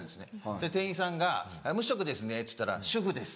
で店員さんが「無色ですね」っつったら「主婦です」。